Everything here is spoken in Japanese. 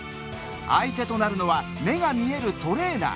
相手となるのは目が見えるトレーナー。